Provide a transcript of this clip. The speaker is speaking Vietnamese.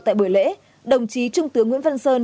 tại buổi lễ đồng chí trung tướng nguyễn văn sơn